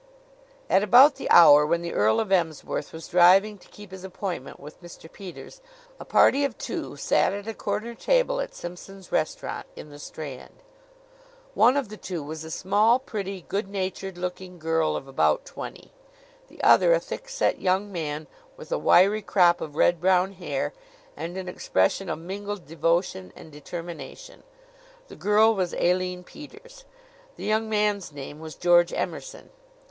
At about the hour when the Earl of Emsworth was driving to keep his appointment with Mr. Peters, a party of two sat at a corner table at Simpson's Restaurant, in the Strand. One of the two was a small, pretty, good natured looking girl of about twenty; the other, a thick set young man, with a wiry crop of red brown hair and an expression of mingled devotion and determination. The girl was Aline Peters; the young man's name was George Emerson.